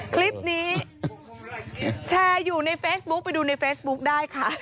คลิปนี้แชร์อยู่ในเฟซบุ๊กไปดูในเฟซบุ๊คได้ค่ะ